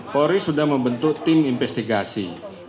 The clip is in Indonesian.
polri sudah membentuk tim investigasi